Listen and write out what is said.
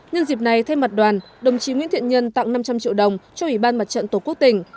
nhân dịp này thay mặt đoàn đồng chí nguyễn thiện nhân tặng năm trăm linh triệu đồng cho ủy ban mặt trận tổ quốc tỉnh